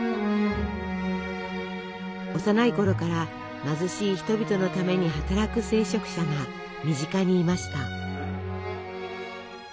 幼いころから貧しい人々のために働く聖職者が身近にいました。